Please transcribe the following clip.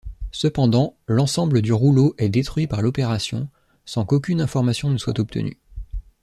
Cependant, l'ensemble du rouleau est détruit par l'opération sans qu'aucune information ne soit obtenue.